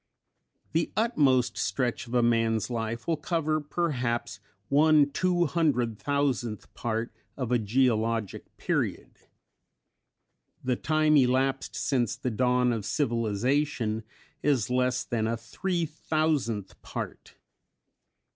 The utmost stretch of a man's life will cover perhaps one two hundred thousandth part of a geologic period. The time elapsed since the dawn of civilization is less than a three thousandth part.